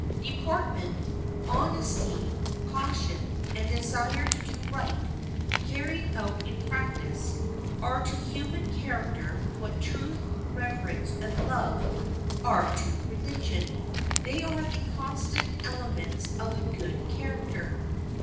Deportment, honesty, caution, and a desire to do right, carried out in practice, are to human character what truth, reverence, and love are to religion. They are the constant elements of a good character.